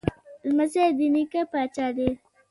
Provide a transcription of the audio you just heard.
لمسی د نیکه پاچا دی.